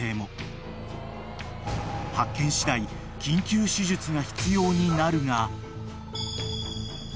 ［発見しだい緊急手術が必要になるが］